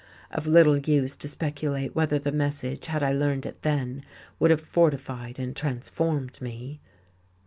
Of little use to speculate whether the message, had I learned it then, would have fortified and transformed me!